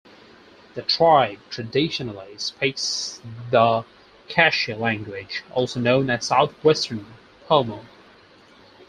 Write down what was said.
The tribe traditionally speaks the Kashaya language, also known as Southwestern Pomo.